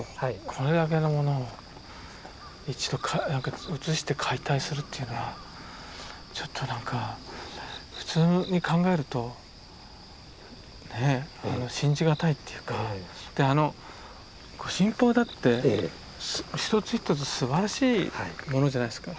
これだけのものを一度移して解体するっていうのはちょっと何か普通に考えるとねえ信じがたいっていうかであの御神宝だって一つ一つすばらしいものじゃないですか。